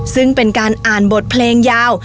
ซึ่งเป็นการอ่านบทเพลงยาว